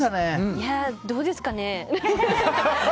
いや、どうですかね。